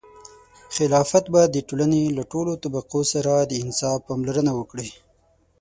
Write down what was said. خلافت به د ټولنې له ټولو طبقو سره د انصاف پاملرنه وکړي.